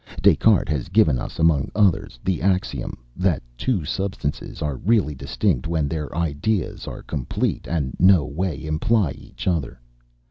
Des Cartes has given us, among others, the axiom "That two substances are really distinct when their ideas are complete, and no way imply each other.